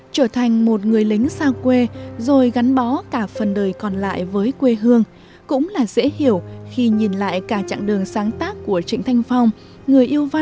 trở thành một người lính xa quê rồi gắn bó cả phần đời trịnh thanh phong